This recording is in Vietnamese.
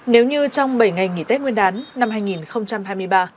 nếu như trong bảy ngày nghỉ tết nguyên đán năm hai nghìn hai mươi ba